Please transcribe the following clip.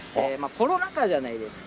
コロナ禍じゃないですか。